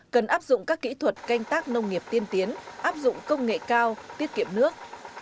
cần áp dụng các kỹ thuật canh tác nông nghiệp tiên tiến áp dụng công nghệ cao tiết kiệm nước